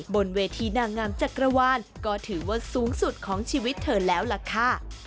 บนเวทีนางงามจักรวาลก็ถือว่าสูงสุดของชีวิตเธอแล้วล่ะค่ะ